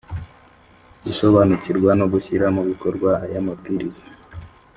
Gusobanukirwa no gushyira mu bikorwa aya mabwiriza